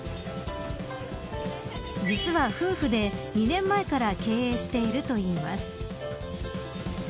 実は夫婦で２年前から経営しているといいます。